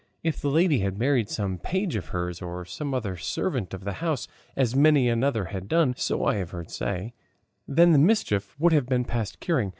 If the lady had married some page of hers, or some other servant of the house, as many another has done, so I have heard say, then the mischief would have been past curing.